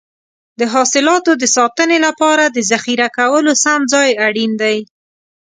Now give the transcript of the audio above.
د حاصلاتو د ساتنې لپاره د ذخیره کولو سم ځای اړین دی.